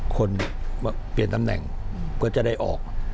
คนมาเปลี่ยนตำแหน่งก็จะได้ออก